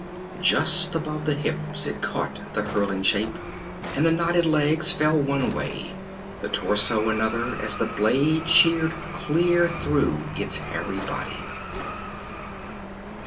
Just above the hips it caught the hurtling shape, and the knotted legs fell one way, the torso another as the blade sheared clear through its hairy body.